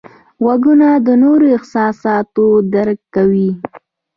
غوږونه د نورو احساسات درک کوي